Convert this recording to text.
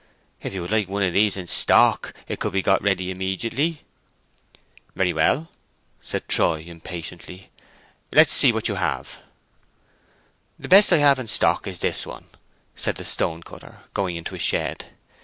"If you would like one of these in stock it could be got ready immediately." "Very well," said Troy, impatiently. "Let's see what you have." "The best I have in stock is this one," said the stone cutter, going into a shed.